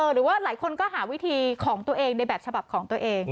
หรือว่าหลายคนก็หาวิธีของตัวเองในแบบฉบับของตัวเอง